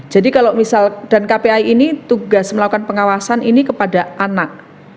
jadi kalau misal dan kpi ini tugas melakukan pengawasan ini kepada anak